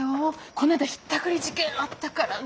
こないだひったくり事件あったからね。